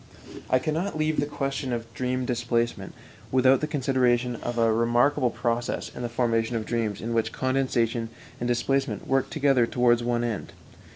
I cannot leave the question of dream displacement without the consideration of a remarkable process in the formation of dreams in which condensation and displacement work together towards one end.